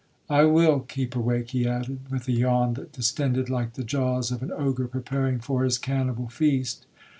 'I will keep awake,' he added, with a yawn that distended like the jaws of an Ogre preparing for his cannibal feast.